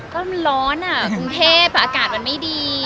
กรุงเทพอากาศมันไม่ดี